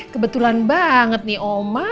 kebetulan banget nih oma